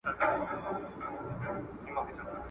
زما د زړه پر غره راتوی كړه